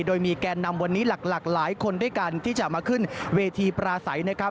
โดยมีแกนนำวันนี้หลากหลายคนด้วยกันที่จะมาขึ้นเวทีปราศัยนะครับ